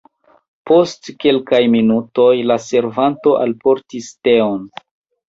Post kelkaj minutoj la servanto alportis teon.